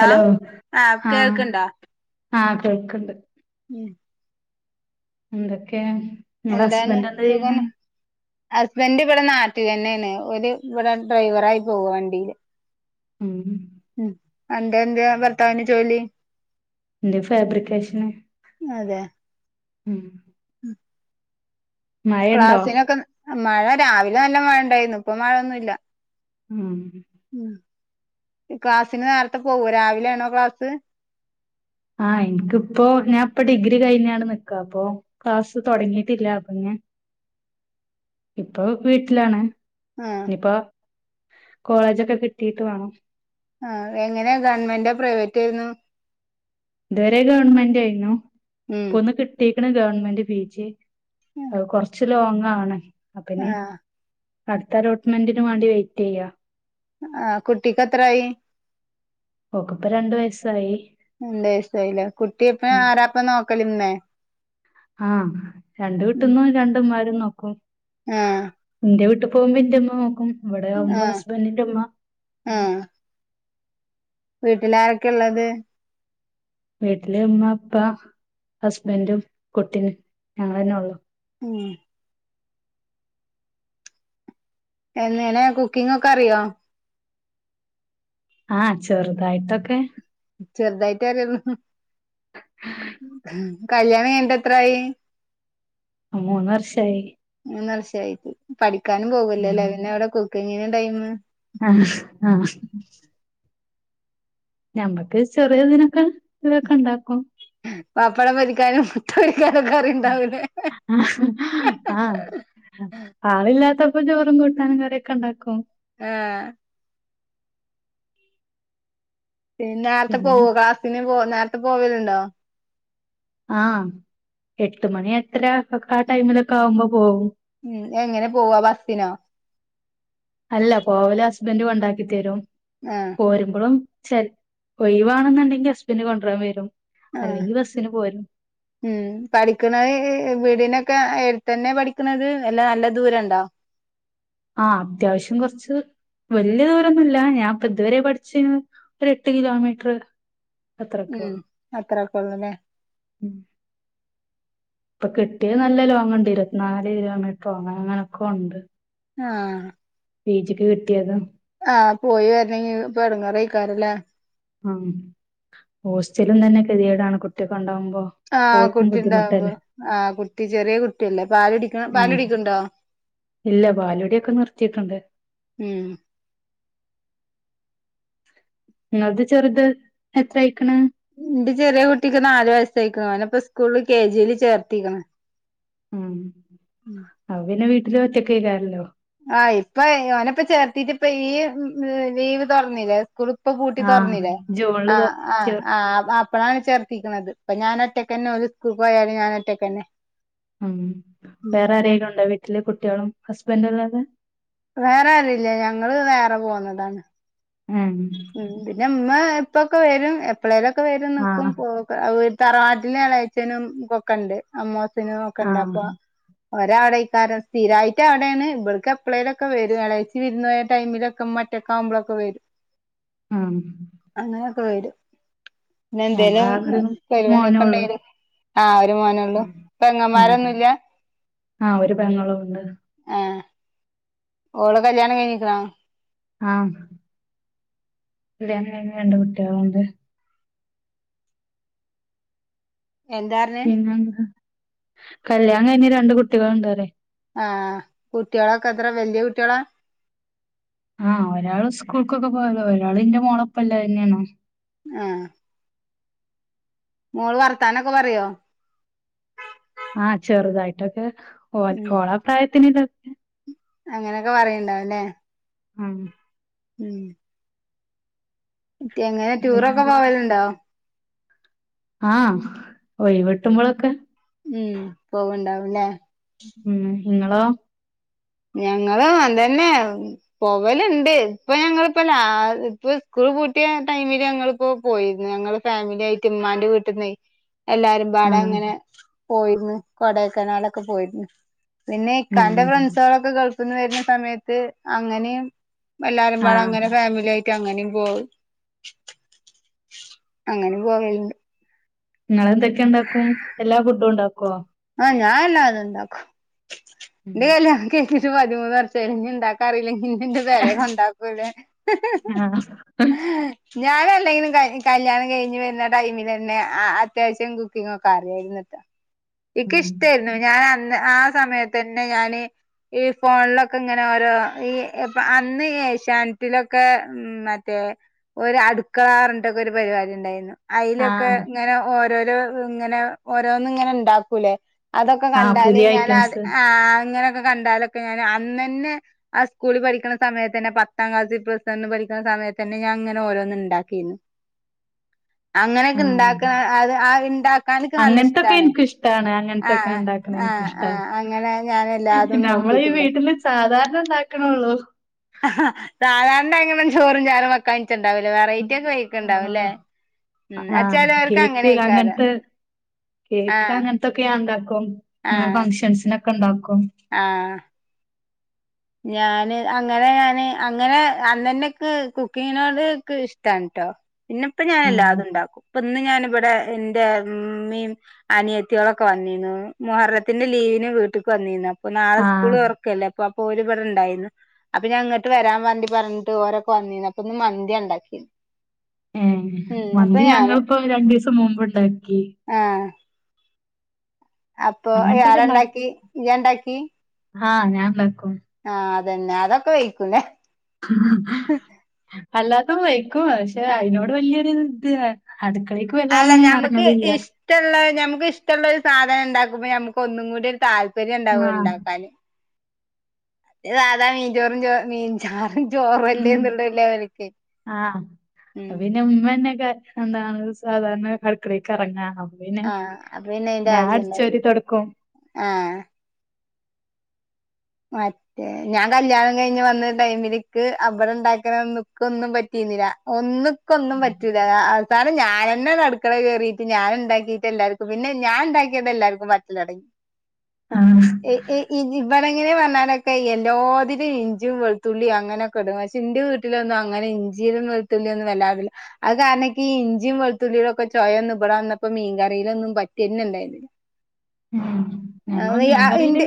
Hello ആഹ് ആ കേൾക്ക്ണ്ടോ ആ കേൾക്ക്ണ്ട് ഉം ന്തക്കെ എന്താണ് സുഖന്നെ ഹസ്ബൻഡ് ഇവിടെ നാ ട്ടിലെന്നെയാണ് ഓല് ഇവിടെ ഡ്രൈവറായി പോവ വണ്ടിയില് ഉം ഉം അന്ടെ എന്താ ഭർത്താവിന് ജോലി ഇന്റെ ഫാബ്രിക്കേഷന് അതെ ഉം മഴണ്ടോ ക്ലാസ്സിനൊക്കെ മഴ രാവിലെ നല്ല മഴണ്ടായിരുന്നു ഇപ്പൊ മഴൊന്നുല്ല ഉം ഉം ക്ലാസിന് നേരത്തെ പോവോ രാവിലൊണോ ക്ലാസ് ആ ഇൻക്കിപ്പോ ഞാൻ ഇപ്പം ഡിഗ്രി കഴിഞ്ഞാണ്ട് നിക്ക അപ്പൊ ക്ലാസ്സ് തൊടങ്ങിട്ടില്ല അപ്പൊ ഞാൻ ഇപ്പൊ വീട്ടിലാണ് ആഹ് ഇനിപ്പൊ കോളേജൊക്കെ കിട്ടീട്ട് വാണം ആ എങ്ങനെ ഗവണ്മെന്റോ പ്രൈവറ്റെയിരുന്നു ഇതുവരെ ഗവൺമെന്റ് ആയിരുന്നു ഉം ഇപ്പൊ ഒന്ന് കിട്ടീക്ക്ണ് ഗവൺമെന്റ് പി ജി അ കൊറച്ച് ലോങ്ങാണ് അപ്പഞ് ആഹ് അടുത്ത അലോട്ട്മെന്റിന് വേണ്ടി വെയിറ്റ് ചെയ്യാ ആ കുട്ടിക്കത്രായി ഓക്ക് ഇപ്പൊ രണ്ടു വയസ്സായി [unintelligible] സായില്ല കുട്ടിപ്പ ആരാപ്പ നോക്കലിമ്മെ ആഹ രണ്ട വീട്ടന്നും രണ്ടുംമാര നോക്ക ആഹ് എന്റെ വീട്ട പോകുമ്പോ ന്റെമ്മ നോക്കും ഇവിടെ ആവുമ്പോ ആഹ് ഹസ്ബൻറിന്റെമ്മ ഉ വീട്ടിലാരൊക്കെള്ളത് വീട്ടിലെ മ്മ, പ്പ, ഹസ്ബൻറും, കുട്ടിനും, ഞങ്ങെന്നെ, ഉള്ളു ഉം എങ്ങെനെ കുക്കിംഗൊക്കറിയോ? ആഹ ചെറുതായിട്ടൊക്കെ ചെറുതായിട്ടറിയുന്നു ഹ് കല്യാണംകഴിഞ്ഞിട്ടെത്രായി? മൂന്ന് വർഷായി മൂന്നർഷായി പഠിക്കാനും പോകൂല്ലോ ഉം ലെ പിന്നെ വിടെ കുക്കിങ്ങിന്റെ ടൈം ആഹ് ആഹ് ഞമ്മക്ക് ചെറിയതിനൊക്കെ ഇതൊക്കെ ഉണ്ടാക്കും പപ്പടം പൊരിക്കാനും മുട്ടപൊ ആഹ ആളില്ലാത്ത അപ്പ ചോറും കൂട്ടാനും കറിയൊക്കെണ്ടാക്കും ആഹ പിന്ന നേരത്തെ പിന്നെ പോവോ ക്ലാസ്സിന് പോ നേരത്തെ പോവലുണ്ടോ ആഹ എട്ട്മണി എട്ടെരക്ക ആ ടൈമിലൊക്കെ ആവുമ്പോ പോകും ഉം എങ്ങനെ പോവാ ബസ്സിനോ അല്ല പോവലെസ്ബൻഡ് കൊണ്ടാക്കിത്തരും ആഹ് പോരുമ്പോളും ശരി ഒഴിവാണെന്നുണ്ടെങ്കി അസ്ബന്ഡ് കൊണ്ടോരാൻ വരും ആ അല്ലെങ്കി ബസ്സിന് പോരും ഉം പഠിക്കണെ വീടിനെ ക്കെത്തന്നെ പഠിക്കുന്നത് എല്ലാ നല്ല ദൂരണ്ടോ ആ അത്യാവശ്യം കൊറച്ച് വല്യയ ദൂരൊന്നുല്ല ഞാൻ ഇപ്പ ഇതുവരെ പഠിച്ച ഒരു എട്ട് കിലോമീറ്റർ അത്രൊക്കെ ഉം ഒള്ളൂ അത്രക്കെള്ളല്ലേ ഉം ഇപ്പൊ കിട്ടിയത് നല്ല ലോങ്ണ്ട് ഇരത്നാല് കിലോമീറ്റർങ്ങ അങ്ങനെയൊ‌ക്കോണ്ട് ആഹ പി ജിക്ക് കിട്ടിയതോ? ആഹ പോയി വരണെങ്കി പ്പെടങ്ങേറായിക്കാരല്ലേ? ആ ഹോസ്റ്റലും തന്നെ കെതിടാണ് കുട്ടിയക്കെണ്ടകുമ്പ ആഹ കുട്ടി ഉണ്ടാവുമ്പോ ആഹ് കുട്ടി ചെറിയ കുട്ടിയല്ലേ പാല് കുടിക്കണ പാല് ഉം കുടിക്ക്ണ്ടോ ഇല്ല പാലുടിയൊക്കെ നിർത്തിയിട്ടുണ്ട് ഉം അത് ചെറുത് എത്രയായ്ക്ക്ണ്? ന്റെ ചെറിയ കുട്ടിക്ക് നാല് വയസ്സായിക് അവനെപ്പ സ്കൂളില് കെ ജി ല്ചേർത്തിക്കണ് ഉം അവന്നെ വീട്ടില് ഒറ്റയ്ക്കാരല്ലോ ആഹ ഇപ്പൊ ഓന ഇപ്പ ചേർത്തിട്ട ഇപ്പ ഈ ലീവ് തുറന്നില്ലേ സ്കൂൾ ഇപ്പൊ പൂട്ടി ആഹ് തുറന്നില്ലേ ജൂണില് ആ തൊ ആ ചേർ ആ അപ്പഴാണ് ചേർത്തിക്കണത് അപ്പൊ ഞാനൊറ്റേക്കന്നെ ഒരു സ്കൂ പോയാലും ഞാന ഒറ്റേക്ക്ന്നെ ഉം വേറെ ആരെലുംണ്ടോ വീട്ടിലെ കുട്ടികളും ഹസ്ബൻഡല്ലാതെ വേറെ ആരുല്ല ഞങ്ങള് വേറെ പോന്നതാണ് ഉം ഉ പിന്നെ ഉമ്മ ഇപ്പക്കെ വരും എപ്പളേലൊക്കെ വരും നിക്കും ആഹ് തറവാട്ടിൽ എളേഛനും കൊക്ക ഇണ്ട് അമ്മോസനും ഒക്കെണ്ട് ആഹ് അപ്പൊ ഒരാഅടയ്ക്കാരും സ്ഥിരായിട്ടാടാണ് ഇവിടെക്ക് എപ്പളേങ്കിലൊക്കെ വരും ഇളേച്ചി വിരുന്നപോയ ടൈമിലൊക്കെ മ റ്റക്കാമ്പോളൊക്കെ വെരും ആഹ് അങ്ങനെക്കെ വെരും പിന്നെ എന്തേലും ഞങ്ങളാകെ ഒരു മോനേ ഉള്ളൂ പരുപാടിക്കണ്ടെല് ആഹ ഒരു മോനേള്ളൂ ഉം പെങ്ങന്മാരൊന്നുല്ല ആഹ് ഒരു പെങ്ങളുംണ്ട് ആഹ് ഓളെ കല്യാണം കയിഞ്ഞിക്ന്നോ ആഹ് ഇ രണ്ട് കുട്ടികളുണ്ട് എന്താർഞ്ഞ് പിന്നെന്ത് കല്യാണം കഴിഞ് രണ്ട് കുട്ടികളുണ്ടോലെ ആഹ് കുട്ടികളൊക്കെ എത്ര വല്യ കുട്ടികളാ ആഹ് ഒരാള് സ്കൂൾക്കൊക്കെ പോയതാ ഒരാള് ന്റെ മോളൊപ്പല്ല ന്നെയാണ് ആഹ് മോൾ വർത്താനൊക്കെ പറയോ ആഹ് ചെറുതായിട്ടൊക്കെ ഓ ഉം ഓള പ്രായത്തിന് അങ്ങനൊക്കെ പറയ്ണ്ടാവുല്ലേ ആഹ് ഉം എങ്ങനെ ടൂറൊക്കെ പിന്നെന്താ പോവല്ണ്ടോ ആഹ് ഒഴിവ് വെട്ടുമ്പോഴൊക്കെ ഉം പോവണ്ടാവുംല്ലേ ഉം നിങ്ങളോ ഞങ്ങള് എന്തന്നെ പവലുണ്ട് ഇപ്പൊ ഞങ്ങിപ്പ ല ഇപ്പ സ് പൂട്ടിയ ടൈമില് ഞങ്ങളിപ്പോ പോയിരുന്നു ഞങ്ങള് ഫാമിലിയുടെയും ഇമ്മാന്റെ വീട്ടിൽന്ന് എല്ലാരും വാട ആഹ് അങ്ങനെ പോയിന്ന് കൊടയക്കനാടൊക്കെ പോയിരുന്നു പിന്നെ ഇക്കാന്റെ ഉം ഫ്രണ്ട്സുകളൊക്കെ ഗൾഫ്ന്ന് വര്ന്ന സമയത്ത് അങ്ങനെയും എല്ലാരും പാട ആഹ് അങ്ങെ ഫാമിലി ആയി അങ്ങനെ പോവാ അങ്ങനെ പോവണ്ട് നിങ്ങെന്തൊക്കെയ ഉണ്ടാക്കും എല്ലാ ഫുഡും ഉണ്ടാക്കോ ആഹ് ഞാനല്ലാതും ണ്ടാക്കും ഉം ഇന്റെ കല്യാണം കഴിഞ്ഞിട്ട് പതിമൂന്ന് വർഷമായി ഞ് ഇണ്ടാക്കാൻ അറിയില്ലെങ്കിൽ എന്റെ പേരേ കൊണ്ടാക്കൂലെ ആഹ് ഞാൻ അല്ലെങ്കിലും കല്യാണം കഴിഞ്ഞ് വരുന്ന ടൈമിൽ തന്നെ അത്യാവശ്യം കുക്കിംഗ് ഒക്കെ അറിയായിരുന്നട്ടോ എക്ക് ഉം ഇഷ്ടായിരുന്നു ഞാൻ അന്ന് ആഹ് സമയത്ത് തന്നെ ഞാന് ഈ ഫോണിലൊക്കെ ഇങ്ങനെ ഓരോ ഈ ഇപ്പൊ അന്ന് ഏഷ്യാനെറ്റിലൊക്കെ ഉം മറ്റേ ഒരു അടുക്കള ർഞ്ഞ്ട്ടൊക്കെ ഒരു പരിപാടി ഉണ്ടായിരുന്നു അയ്ലൊക്കെ ആഹ് ഇങ്ങനെ ഓരോരോ ഇങ്ങനെ ഓരോന്ന്ങ്ങനെ ഇണ്ടാക്കൂലേ അതൊക്കെ ആഹ് കണ്ടാല് പുതിയ ഞാൻ അത് ഐറ്റംസ് അങ്ങനെക്കെ കണ്ടാലൊക്കെ ഞാന് അന്നെന്നെ ആഹ് സ്കൂളിൽ പഠിക്കണ സമയത്ത് തന്നെ പത്താം ക്ലാ പഠിക്കുന്ന സമയത്ത് തന്നെ ഞാൻ ഇങ്ങനെ ഓരോന്ന് ഉണ്ടാക്കിരുന്നു അങ്ങനെയൊക്കെ ഇണ്ടാക്ക ആഹ് അത് ആ ഉണ്ടാക്കാനൊക്കെ നല്ല അങ്ങനത്തൊക്കെ ഇഷ്ടാണ് എനിക്കിഷ്ടാണ് അങ്ങനത്തൊക്കെ ആഹ് ഇണ്ടാക്കണ ആഹ് ആഹ് എനിക്കിഷ്ടാ ആഹ് അങ്ങനെ ഞാൻ എല്ലാതും നമ്മളീ നോക്കിട്ടുണ്ട് വീട്ടില് സാധാരണ ഇണ്ടാക്കണൊള്ളൂ സാധാരണ എങ്ങനും ചോറും ചാറും വെക്കാൻ ണ്ടാവില്ലേ വെറൈറ്റി ഒക്കെ വയ്ക്ക്ണ്ടാവുംല്ലേ ആഹ് ആഹ് കേക്ക് അങ്ങൻത്തെ കേക്ക് ആഹ് അങ്ങൻത്തൊക്കെയാന്താ അപ്പം ഇങ്ങനെ ആഹ് ഫംഗഷൻസിനൊക്കെ ഉണ്ടാക്കും ആഹ് ഞാന് അങ്ങനെ ഞാന് അങ്ങനെ അന്നന്നെക്ക് കുക്കിങ്ങിനോട് ഇഷ്ടാണ്ട്ടോ പിന്നെപ്പ ഞാൻ ആഹ് എല്ലാതും ഉണ്ടാക്കും ഇപ്പൊ ഇന്ന് ഞാനിവിടെ എന്റെ ഇമ്മീം അനിയത്തികളൊക്കെ വന്നിന്നു മുഹ്രത്തിന്റെ ലീവിന് വീട്ടിലക്ക് വന്നീന്നു ഇപ്പ നാളെ ആഹ് സ്കൂള്ൾതൊറക്കല്ലേ അപ്പ ണ്ടായിരുന്നു അപ്പൊ ഞാൻ അങ്ങോട്ട് വരാൻ വന്തി പറഞ്ഞിട്ട് ഓരോക്കെ വന്നിന്ന് അപ്പൊ ഇന്ന് മന്തി ഉണ്ടാക്കിയത് ഏഹ് മന്തി ഞങ്ങിപ്പോ രണ്ടു ദിവസം മുമ്പ്ണ്ടാക്കി ആഹ് അപ്പൊ അങ്ങനത്തൊക്കെ ഇണ്ടാക്കും ആറെണ്ടാക്കി ഇയ്യാണ്ടാക്കി ആഹ് ഞാൻ ഉണ്ടാക്കും ആഹ് തന്നെ അതൊക്കെ വൈകുലേ അല്ലാത്ത വയിക്കും പക്ഷെ ആ അതിനോട് വലിയൊരു ഇത് അടുക്കളേക്ക് വല്ലാത ഞാൻ ഇറങ്ങലില്ല നക്ക് ഇഷ്ടുള്ള ഒരു സാധനം ഇണ്ടാക്കുമ്പോ ഞമുക്ക് ഒന്നും കൂടി ഒരു താല്പര്യം ഉണ്ടാവും ആഹ് ഉണ്ടാക്കാന് സാധാ മീൻചോറും ചോ മീൻചാറും ഉം ചോറല്ലേന്നുള്ളല്ലേ ലെവൽക്ക് ആഹ് ഉ അപ്പൊ പിന്നെ ഉമ്മ തന്നെ ക എന്താണ് സാധാരണ അടുക്കളക്ക് ഇറങ്ങാ, പിന്നെ ആഹ് അപ്പൊ പിന്നെ അയിന്റെ ഞാൻ ആവശ്യം ഇണ്ടാവൂല അടിച്ചോരി തുടക്കും ആഹ് മറ്റേ ഞാൻ കല്യാണം കഴിഞ്ഞ് വന്ന് ടൈമിലേക്ക് അവിടെ ഉണ്ടാക്കണ നക്ക് ഒന്നും പറ്റി ഒന്നക്കു ഒന്നും പറ്റുല്ല സാരം ഞാനന്നെ ഒരു അടുക്കളെ കേറിയിട്ട് ഞാൻ ഉണ്ടാക്കിയിട്ട് എല്ലാവർക്കും പിന്നെ ഞാൻ ഉണ്ടാക്കിട്ട് എല്ലാവർക്കും പറ്റലോടങ്ങി ആ [unintelligible] ങ്ങനൊലൊക്കെ എല്ലാത്തിലും ഇഞ്ചിയും വെളത്തുള്ളിയും അങ്ങനൊക്കെടും പക്ഷെ എന്റെ വീട്ടിലൊന്നും അങ്ങനെ ഇഞ്ചിയിലും വെളത്തുള്ളി ഒന്നും വല്ലാടില്ല അത് കാരണം ഇൻകി ഇഞ്ചിയും വെളുത്തുളളിടെക്കെ ച്ചൊയൊന്ന് ഇവിടെ വന്നപ്പോ മീൻ കറയിലൊന്നും പറ്റിന്നെ ഇണ്ടായില്ല ഉം ഞങ്ങള് മീൻകറിയില്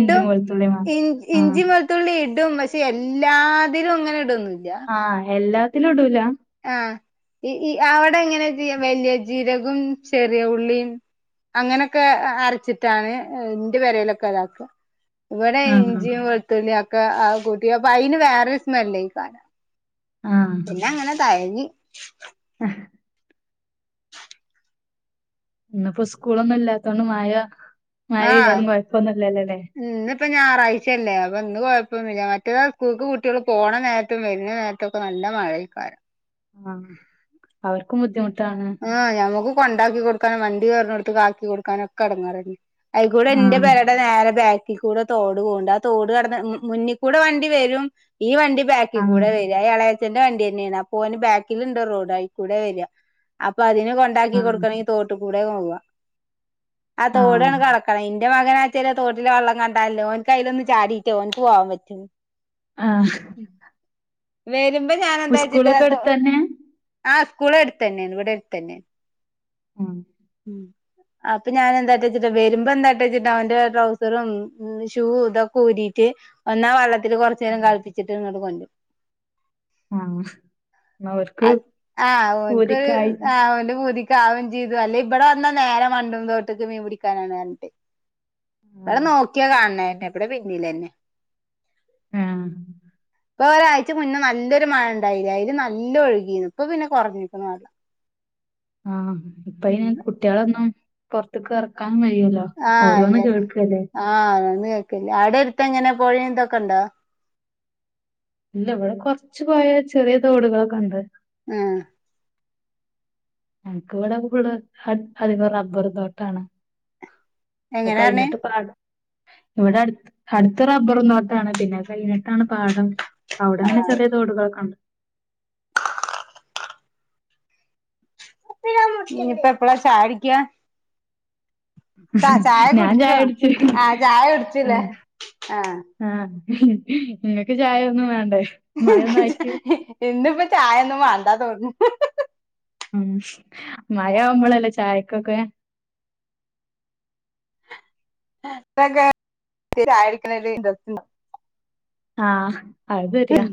ഇഞ്ചി വെളുത്തുള്ളി മാ ഇഞ് ആഹ് ഇഞ്ചി വെളുത്തുള്ളി ഇടും പക്ഷെ എല്ലാതിലും അങ്ങനെ ഇടുംന്ന്ല്ല ആ എല്ലാത്തിലും ഇടുലാ ആ അവിടെ എങ്ങനെ വലിയ ജീരകവും ചെറിയ ഉള്ളിയും അങ്ങനൊക്കെ അരച്ചിട്ടാണ് ഇന്റെ പേരായിലൊക്കെ ഉണ്ടാക്ക ഇവിടെ ആഹ് ഇഞ്ചിയും വെളുത്തുള്ളിയക്കെ ആ കൂട്ടി അപ്പൊ അയിന് വേറൊരു സ്മെല്ലായി ക്കരാം ആഹ് പിന്നെ അങ്ങനെ തയഞ്ഞ് ഇന്ന്‌ ഇപ്പോ സ്കൂളൊന്നും ഇല്ലാത്തോണ്ട് മാഴ പെയെയ്താലും കുഴപ്പൊന്നുംല്ലല്ലേ ഇപ്പൊ ഞായറാഴ്ച അല്ലേ അപ്പൊന്ന് കുഴപ്പൊന്നുമില്ല മറ്റോ സ്കൂൾക്ക് കുട്ടികൾ പോണ നേരത്തും വരുന്ന നേരത്തൊക്കെ നല്ല നല്ല മഴക്കാരം ആ അവർക്കും ബുദ്ധിമുട്ട ആ ഞമ്മക്ക് കൊണ്ടാക്കി കൊടുക്കാനും വണ്ടി കയറണ എടുത്ത് ആാക്കി കൊടുക്കാനും ഒക്കെ എടങ്ങാറാന്നെ അയികൂടെ ആ എന്റെ പേരേടെ നേരെ ബാ കൂടെ തോട് പോഉണ്ട് ആ തോട് കടന്ന് മുന്നിൽ കൂടെ വണ്ടി വരും ഈ വണ്ടി ആ ബാക്കിൽ കൂടെ വെരിയ ഇളയച്ഛന്റെ വണ്ടി തന്നെയാണ് അപ്പോ ഓന് ബാക്കിലുണ്ട് റോഡ് ആയി കൂടെ വരിയാ അപ്പൊ അതിന് കൊണ്ടാക്കി ആ കൊടുക്കണമെങ്കി തോട്ടി കൂടെ പോവുംവാ ആ തോടാണ് കടക്കാണ്ണേ എന്റെ മകനാച്ചല് തോട്ടിലെ വെള്ളം കണ്ടാലിലേ ഓനിക്ക് അതിലൊന്ന് ചാടിട്ടോഓനക്ക് പോവാൻ പറ്റുള്ളു ആ വരുമ്പോ ഞാൻ എന്താ സ്കൂളൊക്കെ വെച്ചിട്ട അടുത്തന്നെ സ്കൂള് അടുത്ത് തന്നെയാണ് ഇവിടെ അടുത്തു തന്നെയാണ് ആ അപ്പൊ ഞാനെ എന്താ വെച്ചിട്ടാ വരുമ്പോ എന്താട്ട വച്ചിട്ടാ അവന്റെ ട്രൗസറും ഷൂ ഇതൊക്കെ ഊരി റ്റ് ഒന്നാ വെള്ളത്തിൽ കുറച്ച് നേരം ആ കളിപ്പിച്ചിട്ട്ങ്ങോട്ട് കൊണ്ടരും ആ. അവർക്ക് ആ അവനിക്കരു പൂതിക്കായി ആ അവന്റെ പുതി ക്കവും ചെയ്തു അല്ലേ ഇവിടെ വന്നാ നേരം മണ്ടും തോട്ടേക്ക് മീൻ പിടിക്കാനാണ് പറഞ്ഞിട്ട് ആ ഇടെ നോക്കിയാ കാണണെ ഇവിടെ പിന്നിലന്നെ ആ ഇപ്പൊ ഒരാഴ്ച്ച മുന്നേ നല്ലൊരു മഴ ഉണ്ടായില്ല അതില് നല്ല ഒഴുകിന്ന് ഇപ്പൊ പിന്നെ കുറഞ്ഞ് നിക്കുണു പറഞ്ഞു ആ ഇപ്പയിന് കുട്ടികളൊന്നും പൊറത്തക്ക് ഇറ കേക്കാൻ കഴിയുല്ല ഓരോന്ന് കേൾക്കുല്ലേ കേൾക്കല്ലേ അവിടെ അടുത്ത് എങ്ങനെ പോഴ ഇതൊക്കെ ഇണ്ടോ ഇല്ല ഇവിടെ കൊറച്ച് പോയാ ചെറിയ തോടുകളൊക്കെ ഉണ്ട് ഉം എനിക്ക്. ഇവിടെ ഫുള്ള് അധികം റബ്ബർ തോട്ടാണ് എങ്ങനെ പറഞ്ഞേ കഴഞ്ഞിട്ട് പാഠം ഇവിടെ അടു അടുത്ത് റബ്ബറുതോട്ടാണ് പിന്നെ കഴിഞ്ഞിട്ടാണ് പാടം അവിടെങ്ങനെ ചെറിയ തോടുകളൊക്കെ ണ്ട് നി ഇപ്പ എപ്പളാ ചായുടിക്കാ ഞാൻ കുടിച്ചോ ചായുടിച്ചു ആഹ് ചായ ആ കുടിച്ചില്ലേ ആഹ് ആ ങ്ങക്ക് ചായൊന്നും വേണ്ടേ മഴ ഒന്നായിട്ട് എന്ന്പ്പ ചായ ന്നും വാണ്ടാ തോന്നു ഉം മഴയാവുമ്പളല്ലേ ചായക്കൊക്കെ [unintelligible] ആ അത് ശെരിയാ.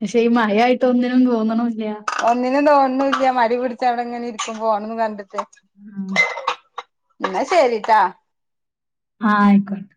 പക്ഷെ ഈ മഴായിട്ടൊന്നിനും തോന്ന്ണു ഒന്നിനും തോന്ന്ണുല്ല മടി പിടിച്ചവിടെ ങ്ങനെ ഇരിക്കും ഫോണും കണ്ട്ട്ട് ആ ന്ന ശെരി ട്ടോ ആ അയ്ക്കോട്ടെ.